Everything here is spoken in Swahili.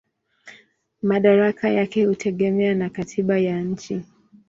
Madaraka yake hutegemea na katiba ya nchi.